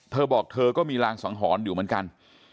เธอบอกเธอก็มีรางสังหรณ์อยู่เหมือนกัน